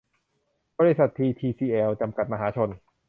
บริษัท ทีทีซีแอล จำกัด มหาชน